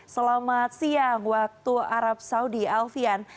selamat siang waktu arab saudi alfian